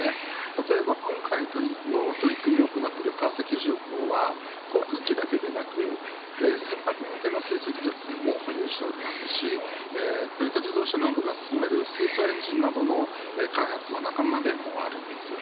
例えば今回の取り組みを行っている川崎重工は、航空機だけではなく船舶向けの水素技術も保有しておりますしトヨタ自動車などが進める水素エンジンなどの開発の仲間でもあります。